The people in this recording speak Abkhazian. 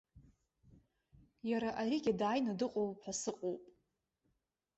Иара аригьы дааины дыҟоуп ҳәа сыҟоуп.